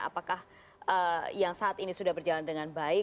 apakah yang saat ini sudah berjalan dengan baik